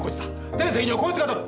全責任はこいつが取る。